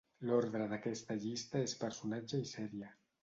L'ordre d'aquesta llista és personatge i sèrie.